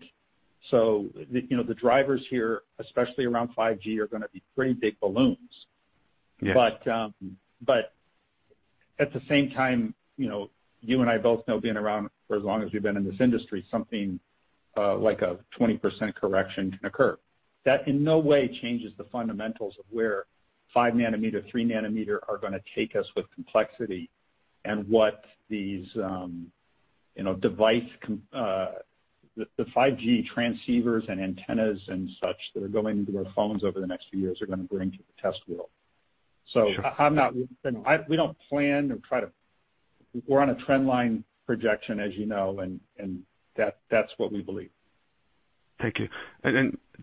The drivers here, especially around 5G, are going to be pretty big boons. Yes. At the same time, you and I both know, being around for as long as we've been in this industry, something like a 20% correction can occur. That in no way changes the fundamentals of where 5 nanometer, 3 nanometer are going to take us with complexity and what these 5G transceivers and antennas and such that are going into our phones over the next few years are going to bring to the test world. Sure. We don't plan or try to. We're on a trend line projection, as you know, and that's what we believe. Thank you.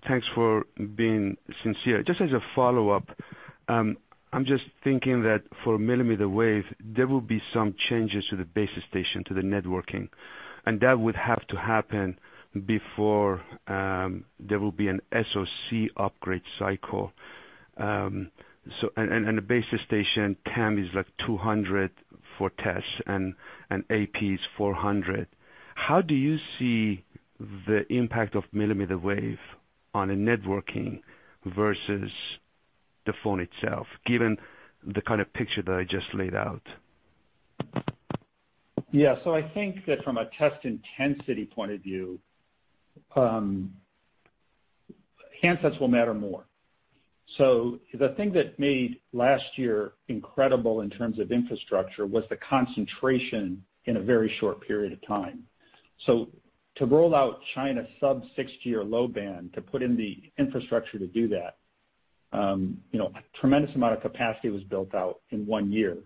Thanks for being sincere. Just as a follow-up, I'm just thinking that for millimeter wave, there will be some changes to the base station, to the networking, and that would have to happen before there will be an SoC upgrade cycle. The base station TAM is like $200 for tests, and AP is $400. How do you see the impact of millimeter wave on a networking versus the phone itself, given the kind of picture that I just laid out? Yeah. I think that from a test intensity point of view, handsets will matter more. The thing that made last year incredible in terms of infrastructure was the concentration in a very short period of time. To roll out China sub-6 or low band, to put in the infrastructure to do that, a tremendous amount of capacity was built out in one year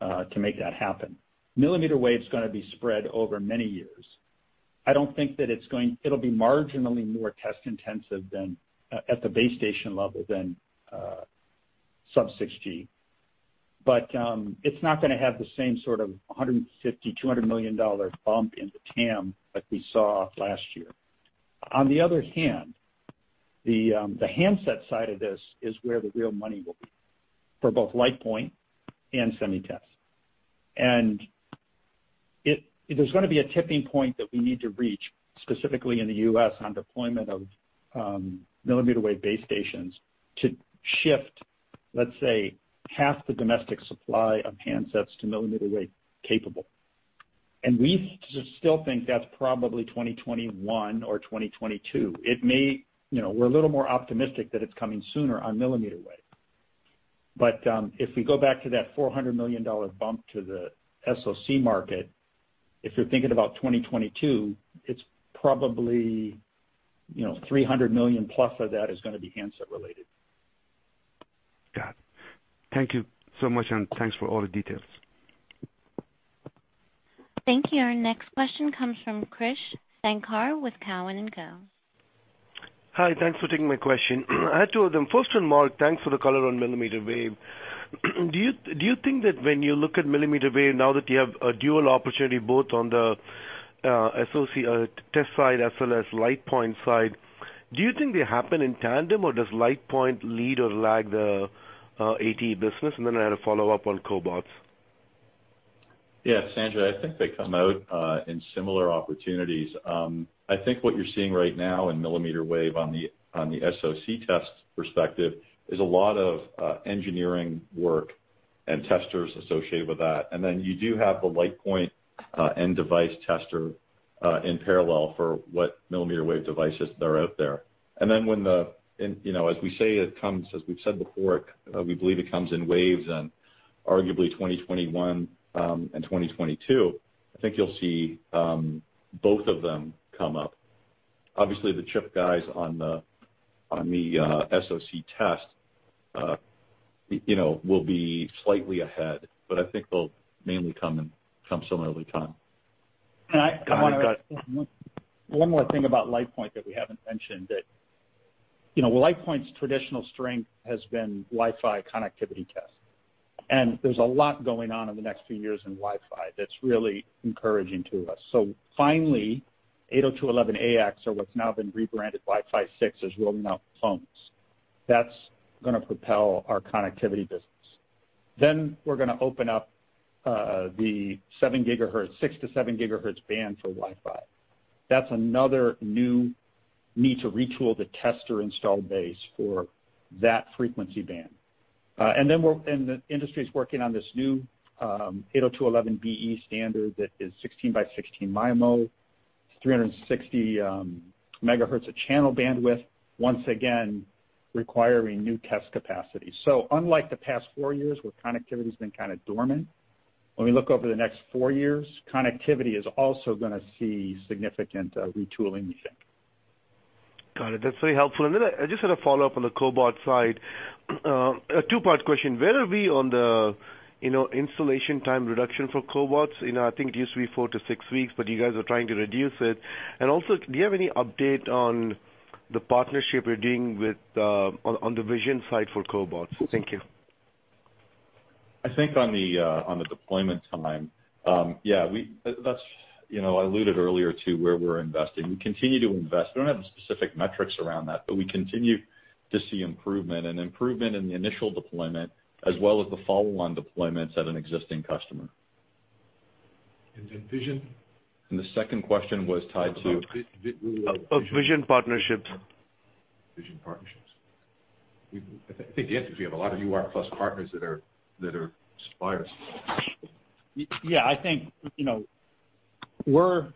to make that happen. Millimeter wave's going to be spread over many years. I don't think that it'll be marginally more test intensive at the base station level than sub-6 GHz. It's not going to have the same sort of $150 million, $200 million bump in the TAM like we saw last year. On the other hand, the handset side of this is where the real money will be for both LitePoint and SemiTest. There's going to be a tipping point that we need to reach, specifically in the U.S., on deployment of millimeter wave base stations to shift, let's say, half the domestic supply of handsets to millimeter wave capable. We still think that's probably 2021 or 2022. We're a little more optimistic that it's coming sooner on millimeter wave. If we go back to that $400 million bump to the SoC market, if you're thinking about 2022, it's probably $300 million+ of that is going to be handset related. Got it. Thank you so much, and thanks for all the details. Thank you. Our next question comes from Krish Sankar with Cowen & Co. Hi. Thanks for taking my question. I had two of them. First one, Mark, thanks for the color on millimeter wave. Do you think that when you look at millimeter wave, now that you have a dual opportunity both on the [ATE] test side as well as LitePoint side? Do you think they happen in tandem or does LitePoint lead or lag the ATE business? I had a follow-up on Cobots. Yeah, Sanjay, I think they come out in similar opportunities. I think what you're seeing right now in millimeter wave on the SoC test perspective is a lot of engineering work and testers associated with that. You do have the LitePoint end device tester in parallel for what millimeter wave devices that are out there. As we say, it comes, as we've said before, we believe it comes in waves and arguably 2021 and 2022, I think you'll see both of them come up. Obviously, the chip guys on the SoC test will be slightly ahead, but I think they'll mainly come similarly timed. I want to add one more thing about LitePoint that we haven't mentioned, that LitePoint's traditional strength has been Wi-Fi connectivity test. There's a lot going on in the next few years in Wi-Fi that's really encouraging to us. Finally, 802.11ax or what's now been rebranded Wi-Fi 6 is rolling out for phones. That's going to propel our connectivity business. We're going to open up the 6-7 GHz band for Wi-Fi. That's another new need to retool the tester install base for that frequency band. The industry's working on this new 802.11be standard that is 16x16 MIMO, 360 MHz of channel bandwidth, once again requiring new test capacity. Unlike the past four years, where connectivity's been kind of dormant, when we look over the next four years, connectivity is also going to see significant retooling we think. Got it. That's very helpful. I just had a follow-up on the cobot side. A two-part question. Where are we on the installation time reduction for cobots? I think it used to be four to six weeks, but you guys are trying to reduce it. Also, do you have any update on the partnership you're doing on the vision side for cobots? Thank you. I think on the deployment time, yeah, I alluded earlier to where we're investing. We continue to invest. We don't have specific metrics around that, but we continue to see improvement and improvement in the initial deployment as well as the follow-on deployments at an existing customer. Then vision? The second question was tied to. Of vision partnerships. Vision partnerships. I think the answer is we have a lot of UR+ partners that are suppliers. Yeah, I think, we're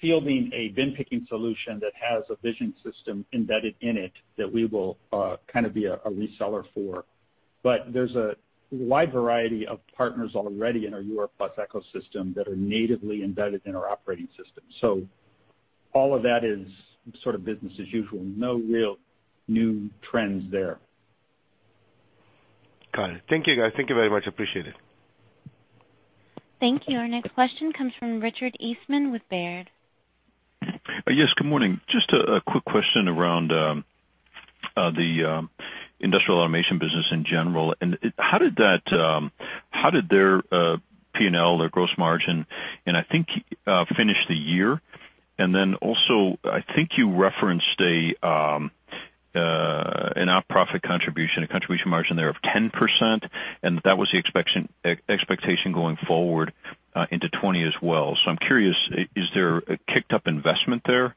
fielding a bin-picking solution that has a vision system embedded in it that we will be a reseller for. There's a wide variety of partners already in our UR+ ecosystem that are natively embedded in our operating system. All of that is sort of business as usual, no real new trends there. Got it. Thank you, guys. Thank you very much. Appreciate it. Thank you. Our next question comes from Richard Eastman with Baird. Yes, good morning. Just a quick question around the industrial automation business in general, how did their P&L, their gross margin, and I think, finish the year? Also, I think you referenced an op profit contribution, a contribution margin there of 10%, and that was the expectation going forward into 2020 as well. I'm curious, is there a kicked up investment there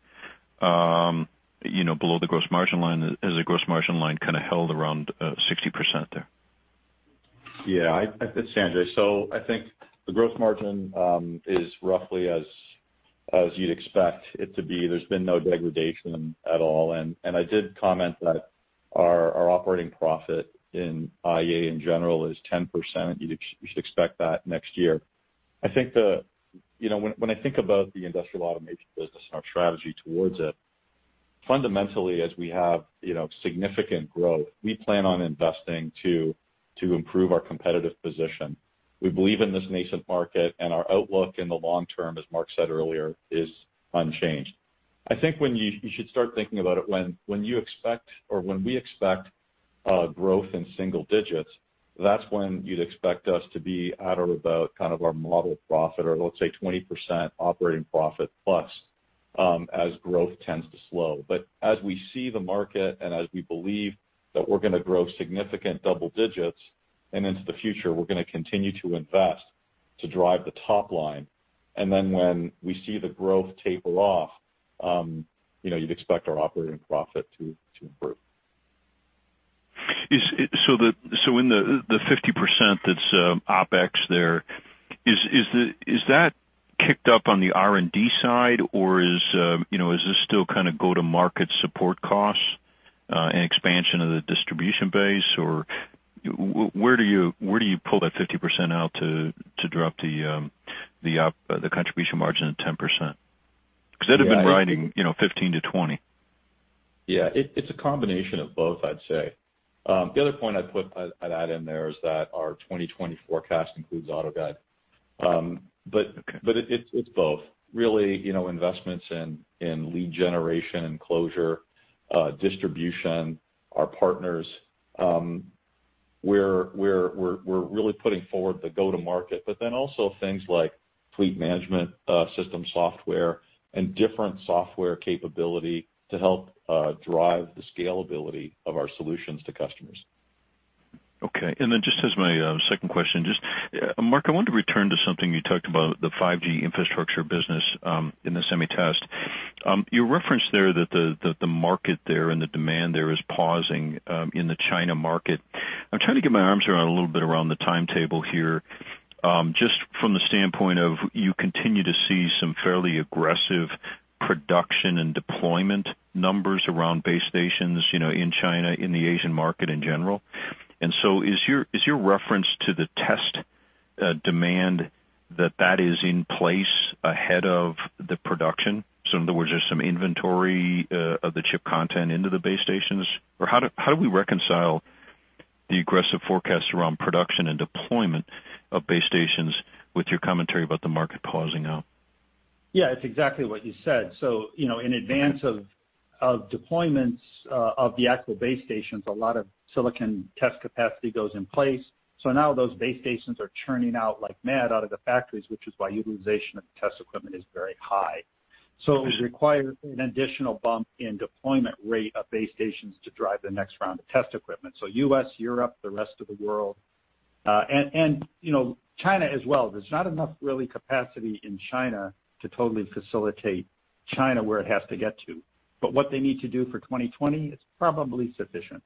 below the gross margin line? Has the gross margin line kind of held around 60% there? It's Sanjay. I think the gross margin is roughly as you'd expect it to be. There's been no degradation at all. I did comment that our operating profit in IA in general is 10%. You should expect that next year. When I think about the industrial automation business and our strategy towards it, fundamentally, as we have significant growth, we plan on investing to improve our competitive position. We believe in this nascent market and our outlook in the long-term, as Mark said earlier, is unchanged. I think you should start thinking about it when you expect or when we expect growth in single-digits, that's when you'd expect us to be at or about our model profit, or let's say 20% operating profit plus, as growth tends to slow. As we see the market and as we believe that we're going to grow significant double-digits and into the future, we're going to continue to invest to drive the top line. When we see the growth taper off, you'd expect our operating profit to improve. In the 50% that's OpEx there, is that kicked up on the R&D side or is this still kind of go to market support costs and expansion of the distribution base or where do you pull that 50% out to drop the contribution margin at 10%? That had been riding 15%-20%. Yeah, it's a combination of both, I'd say. The other point I'd add in there is that our 2020 forecast includes AutoGuide. It's both. Really, investments in lead generation and closure, distribution, our partners. We're really putting forward the go-to-market, also things like fleet management system software and different software capability to help drive the scalability of our solutions to customers. Okay. Just as my second question, Mark, I wanted to return to something you talked about, the 5G infrastructure business in the SemiTest. You referenced there that the market there and the demand there is pausing in the China market. I'm trying to get my arms around a little bit around the timetable here. Just from the standpoint of, you continue to see some fairly aggressive production and deployment numbers around base stations in China, in the Asian market in general. Is your reference to the test demand that is in place ahead of the production? In other words, there's some inventory of the chip content into the base stations? How do we reconcile the aggressive forecast around production and deployment of base stations with your commentary about the market pausing out? Yeah, it's exactly what you said. In advance of deployments of the actual base stations, a lot of silicon test capacity goes in place. Now those base stations are churning out like mad out of the factories, which is why utilization of test equipment is very high. It would require an additional bump in deployment rate of base stations to drive the next round of test equipment. U.S., Europe, the rest of the world. China as well. There's not enough really capacity in China to totally facilitate China where it has to get to. What they need to do for 2020, it's probably sufficient.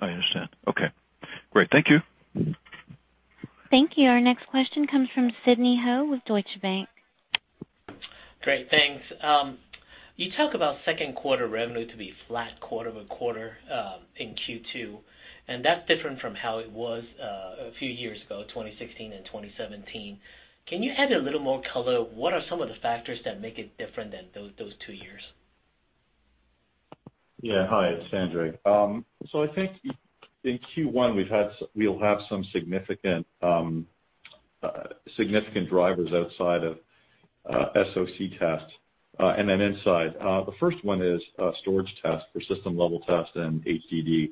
I understand. Okay. Great. Thank you. Thank you. Our next question comes from Sidney Ho with Deutsche Bank. Great, thanks. You talk about second quarter revenue to be flat quarter-over-quarter in Q2. That's different from how it was a few years ago, 2016 and 2017. Can you add a little more color? What are some of the factors that make it different than those two years? Yeah. Hi, it's Sanjay. I think in Q1 we'll have some significant drivers outside of SoC test and then inside. The first one is storage test for system level test and HDD,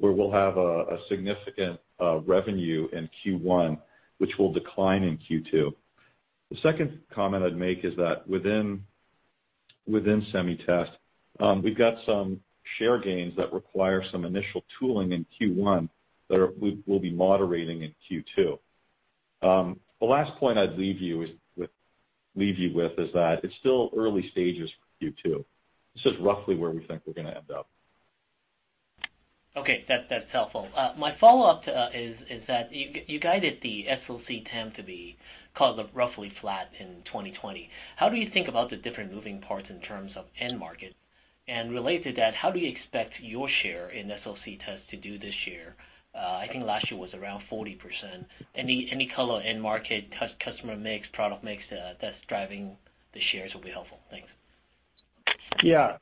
where we'll have a significant revenue in Q1, which will decline in Q2. The second comment I'd make is that within SemiTest, we've got some share gains that require some initial tooling in Q1 that we'll be moderating in Q2. The last point I'd leave you with is that it's still early stages for Q2. This is roughly where we think we're going to end up. Okay, that's helpful. My follow-up to that is that you guided the SoC TAM to be roughly flat in 2020. How do you think about the different moving parts in terms of end market? Related to that, how do you expect your share in SoC tests to do this year? I think last year was around 40%. Any color end market, customer mix, product mix that's driving the shares will be helpful. Thanks. Yeah.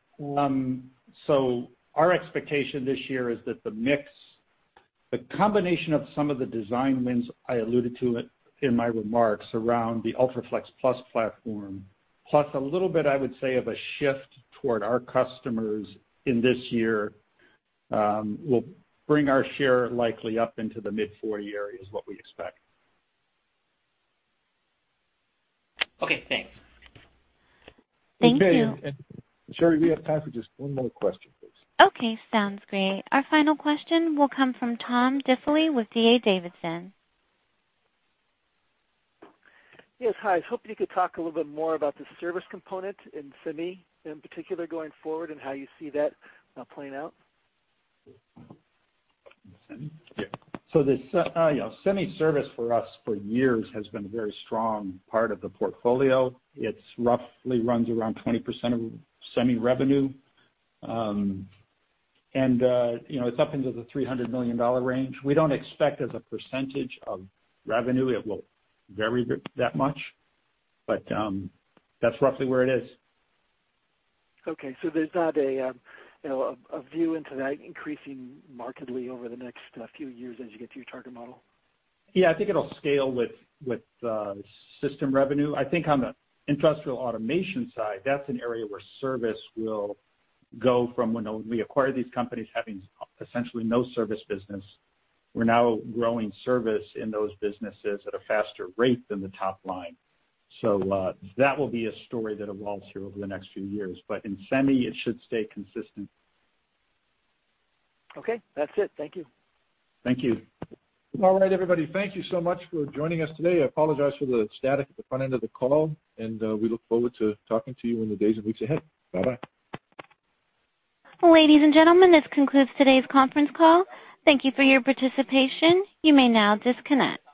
Our expectation this year is that the mix, the combination of some of the design wins I alluded to in my remarks around the UltraFLEXplus platform, plus a little bit, I would say, of a shift toward our customers in this year will bring our share likely up into the mid-40 area is what we expect. Okay, thanks. Thank you. Sherry, we have time for just one more question, please. Okay, sounds great. Our final question will come from Tom Diffely with D.A. Davidson. Yes. Hi. I was hoping you could talk a little bit more about the service component in semi in particular going forward and how you see that playing out? The semi service for us for years has been a very strong part of the portfolio. It roughly runs around 20% of semi revenue. It's up into the $300 million range. We don't expect as a percentage of revenue, it will vary that much, but that's roughly where it is. Okay. There's not a view into that increasing markedly over the next few years as you get to your target model? Yeah. I think it'll scale with system revenue. I think on the industrial automation side, that's an area where service will go from when we acquire these companies having essentially no service business. We're now growing service in those businesses at a faster rate than the top-line. That will be a story that evolves here over the next few years. In semi, it should stay consistent. Okay. That's it. Thank you. Thank you. All right, everybody. Thank you so much for joining us today. I apologize for the static at the front end of the call, and we look forward to talking to you in the days and weeks ahead. Bye-bye. Ladies and gentlemen, this concludes today's conference call. Thank you for your participation. You may now disconnect.